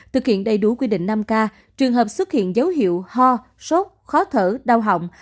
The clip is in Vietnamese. thực hiện đầy đủ quy định năm k trường hợp xuất hiện dấu hiệu ho sốt khó thở đau họng